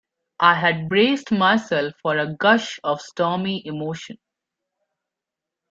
I had braced myself for a gush of stormy emotion.